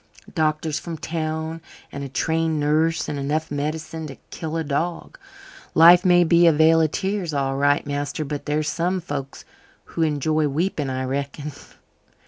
Doctors from town and a trained nurse and enough medicine to kill a dog! Life may be a vale of tears, all right, master, but there are some folks who enjoy weeping, I reckon."